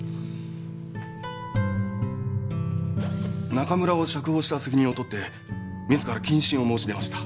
中村を釈放した責任を取って自ら謹慎を申し出ました。